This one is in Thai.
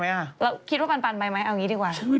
แล้วคิดว่าปันไปไหมเอางี้ดีกว่า